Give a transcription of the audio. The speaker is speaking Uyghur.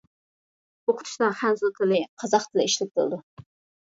ئوقۇتۇشتا خەنزۇ تىلى، قازاق تىلى ئىشلىتىلىدۇ.